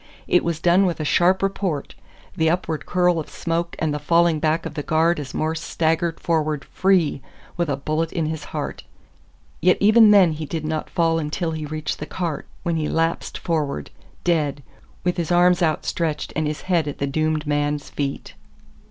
It was done with a sharp report, the upward curl of smoke and the falling back of the guard as Morse staggered forward FREE with a bullet in his heart. Yet even then he did not fall until he reached the cart, when he lapsed forward, dead, with his arms outstretched and his head at the doomed man's feet.